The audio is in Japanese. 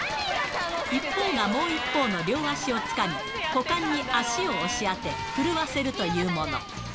一方がもう一方の両足をつかみ、股間に足を押し当て、震わせるというもの。